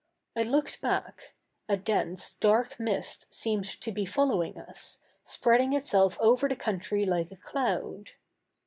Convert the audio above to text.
I looked back; a dense, dark mist seemed to be following us, spreading itself over the country like a cloud.